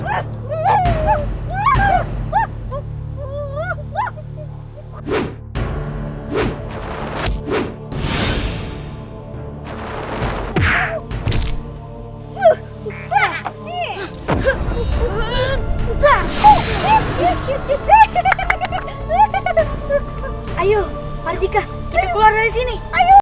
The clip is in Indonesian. ayo marjika kita keluar dari sini